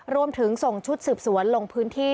รวมถึงส่งชุดสืบสวนลงพื้นที่